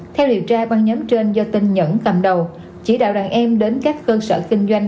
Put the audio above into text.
theo điều tra băng nhóm trên do tin nhẫn cầm đầu chỉ đạo đàn em đến các cơ sở kinh doanh